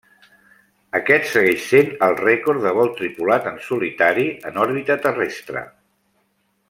Aquest segueix sent el rècord de vol tripulat en solitari en òrbita terrestre.